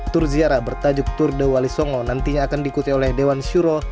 tur ziarah bertajuk tur dewali songo nantinya akan diikuti oleh dewan syuroh